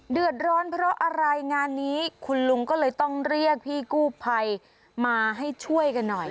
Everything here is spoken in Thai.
เดือดร้อนเพราะอะไรงานนี้คุณลุงก็เลยต้องเรียกพี่กู้ภัยมาให้ช่วยกันหน่อย